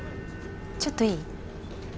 ちょっといい？